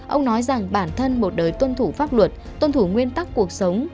ông nói rằng bản thân một đời tuân thủ pháp luật tuân thủ nguyên tắc cuộc sống